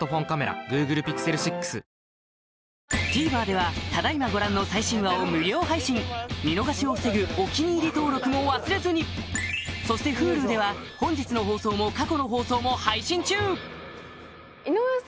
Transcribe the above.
ＴＶｅｒではただ今ご覧の最新話を無料配信見逃しを防ぐ「お気に入り」登録も忘れずにそしてＨｕｌｕでは本日の放送も過去の放送も配信中！